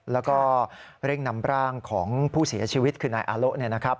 แล้วก็เร่งนำร่างของผู้เสียชีวิตคือนายอาโละเนี่ยนะครับ